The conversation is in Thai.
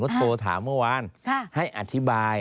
โทรถามเมื่อวานให้อธิบาย